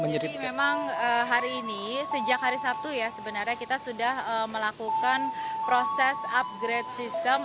jadi memang hari ini sejak hari sabtu ya sebenarnya kita sudah melakukan proses upgrade sistem